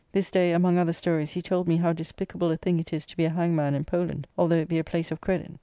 This day among other stories he told me how despicable a thing it is to be a hangman in Poland, although it be a place of credit.